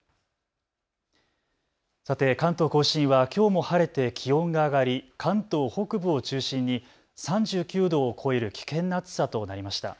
さて、関東甲信はきょうも晴れて気温が上がり関東北部を中心に３９度を超える危険な暑さとなりました。